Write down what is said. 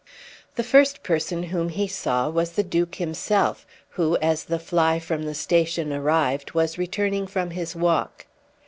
The first person whom he saw was the Duke himself, who, as the fly from the station arrived, was returning from his walk.